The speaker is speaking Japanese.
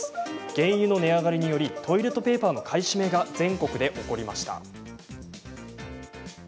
原油の値上がりによりトイレットペーパーの買い占めが全国で起こりました。